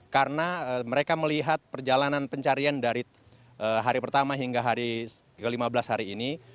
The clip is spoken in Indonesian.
karena mereka melihat perjalanan pencarian dari hari pertama hingga hari ke lima belas hari ini